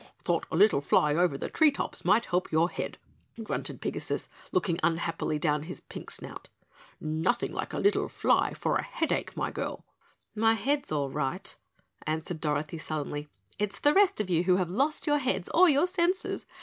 "Thought a little fly over the tree tops might help your head," grunted Pigasus, looking unhappily down his pink snout. "Nothing like a little fly for a headache, my girl!" "My head's all right," answered Dorothy sullenly. "It's the rest of you who have lost your heads or your senses.